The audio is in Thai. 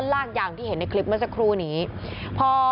กระทั่งตำรวจก็มาด้วยนะคะ